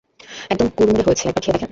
একদম কুড়মুড়ে হয়েছে, একবার খেয়ে দেখেন।